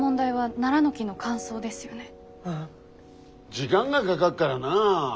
時間がかがっからなぁ。